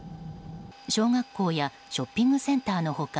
小学校やショッピングセンターの他